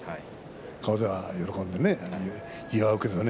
顔では喜んで祝うけどね